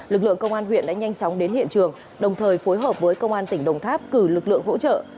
lực lượng công an huyện đã nhanh chóng đến hiện trường đồng thời phối hợp với công an tỉnh đồng tháp cử lực lượng hỗ trợ